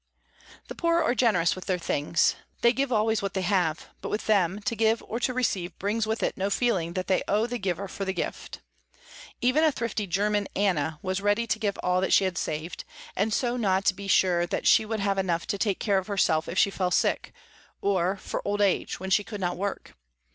The poor are generous with their things. They give always what they have, but with them to give or to receive brings with it no feeling that they owe the giver for the gift. Even a thrifty german Anna was ready to give all that she had saved, and so not be sure that she would have enough to take care of herself if she fell sick, or for old age, when she could not work.